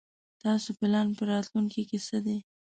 تاسو پلان په راتلوونکي کې څه دی ؟